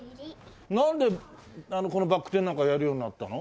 なんでこのバク転なんかやるようになったの？